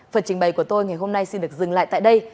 phần trình bày của tôi ngày hôm nay xin được dừng lại tại đây